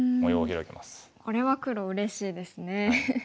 これは黒うれしいですね。